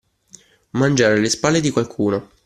Mangiare alle spalle di qualcuno.